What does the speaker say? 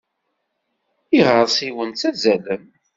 Iɣersiwen ttazzalen.